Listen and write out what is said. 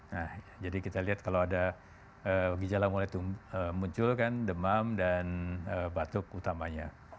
nah jadi kita lihat kalau ada gejala mulai muncul kan demam dan batuk utamanya